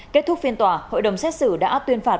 kết thúc phiên tòa hội đồng xét xử đã tuyên phạt